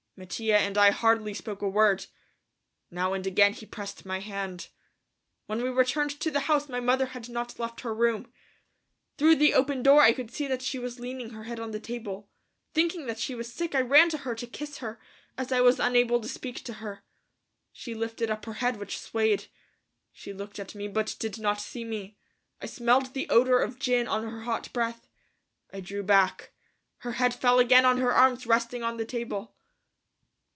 Mattia and I hardly spoke a word. Now and again he pressed my hand. When we returned to the house my mother had not left her room. Through the open door I could see that she was leaning her head on the table. Thinking that she was sick I ran to her to kiss her, as I was unable to speak to her. She lifted up her head, which swayed. She looked at me but did not see me. I smelled the odor of gin on her hot breath. I drew back. Her head fell again on her arms resting on the table.